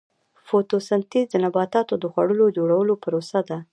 فوتوسنتیز د نباتاتو د خوړو جوړولو پروسه ده